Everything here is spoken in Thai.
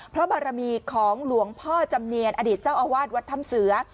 บารมีของหลวงพ่อจำเนียนอดีตเจ้าอาวาสวัดถ้ำเสือ